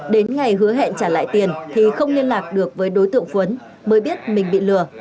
đến ngày hứa hẹn trả lại tiền thì không liên lạc được với đối tượng phấn mới biết mình bị lừa